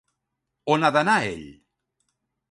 On ha d'anar ell?